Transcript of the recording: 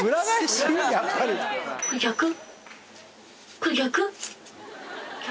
これ逆？